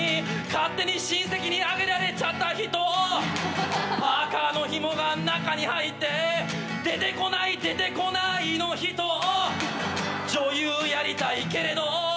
「勝手に親戚にあげられちゃった人」「パーカのひもが中に入って出てこない出てこないの人」「女優やりたいけれど」